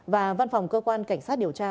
và văn phòng cơ quan cảnh sát điều tra